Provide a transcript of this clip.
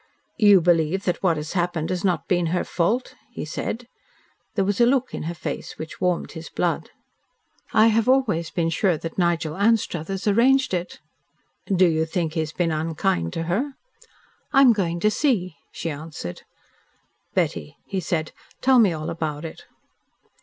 "You believe that what has happened has not been her fault?" he said. There was a look in her face which warmed his blood. "I have always been sure that Nigel Anstruthers arranged it." "Do you think he has been unkind to her?" "I am going to see," she answered. "Betty," he said, "tell me all about it."